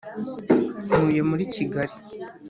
ntuye muri kigali.